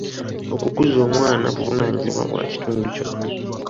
Okukuza omwana buvunaanyizibwa bwa kitundu kyonna.